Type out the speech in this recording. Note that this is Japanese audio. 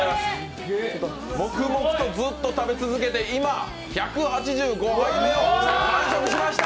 黙々とずっと食べ続けて今、１８５杯目を完食しました。